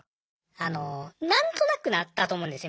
あの何となくだと思うんですよ